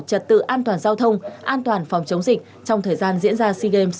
trật tự an toàn giao thông an toàn phòng chống dịch trong thời gian diễn ra sea games ba mươi một